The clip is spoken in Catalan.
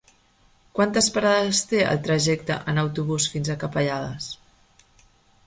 Quantes parades té el trajecte en autobús fins a Capellades?